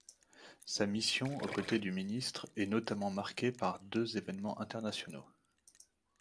Sa mission au côté du Ministre est notamment marquée par deux événements internationaux.